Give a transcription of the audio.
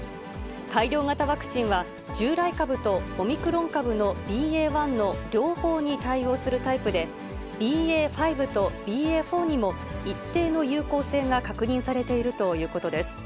改良型ワクチンは、従来株とオミクロン株のＢＡ．１の両方に対応するタイプで、ＢＡ．５とＢＡ．４にも一定の有効性が確認されているということです。